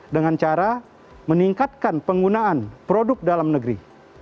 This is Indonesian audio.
dengan cara meningkatkan penggunaan produk dalam negeri